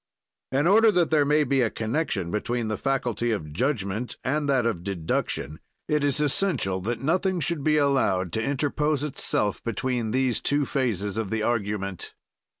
In order that there may be a connection between the faculty of judgment and that of deduction, it is essential that nothing should be allowed to interpose itself between these two phases of the argument.